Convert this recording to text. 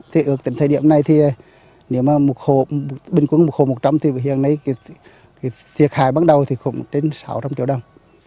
thì ước tình thời điểm này nếu mà bình quân một hồ một trăm linh thì hiện nay thiệt hại bắt đầu thì không đến sáu trăm linh chỗ đâu